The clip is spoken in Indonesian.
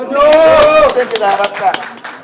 tuh kita harapkan